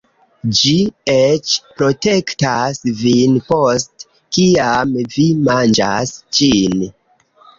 Ĝi eĉ protektas vin post kiam vi manĝas ĝin